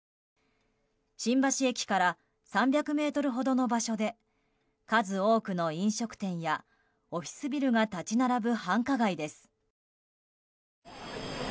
新橋駅から３００ｍほどの場所で数多くの飲食店やオフィスビルが立ち並ぶ繁華街です。